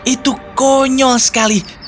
itu konyol sekali